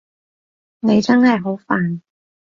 你真係好煩